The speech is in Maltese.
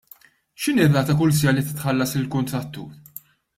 X'inhi r-rata kull siegħa li titħallas lill-kuntrattur?